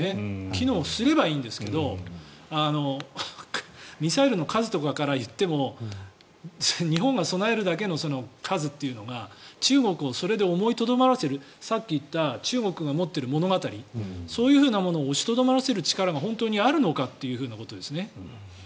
機能すればいいんですがミサイルの数とかから言っても日本が備えるだけの数というのが中国をそれで思いとどまらせるさっき言った中国が持っている物語そういうものを押しとどまらせる力が本当にあるのかということですね。